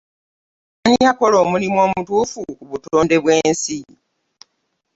Ani akola omulimu omutuufu ku butonde bw'ensi?